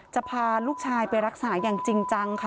จะพาลูกชายไปรักษาอย่างจริงจังค่ะ